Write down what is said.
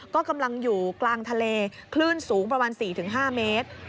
ก็กำลังอยู่กลางทะเลคลื่นสูงประมาณ๔๕เมตร